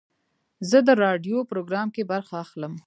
زه د راډیو پروګرام کې برخه اخلم.